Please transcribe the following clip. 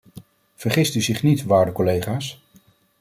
Vergist u zich niet, waarde collega's.